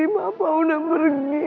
papa udah pergi